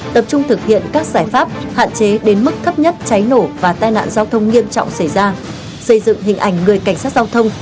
tập trung thực hiện các giải pháp hạn chế đến mức thấp nhất cháy nổ và tai nạn giao thông nghiêm trọng xảy ra xây dựng hình ảnh người cảnh sát giao thông